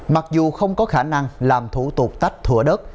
mặc dù không có khả năng làm thủ tục tách thủa đất